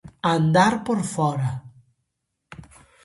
Andar por fóra.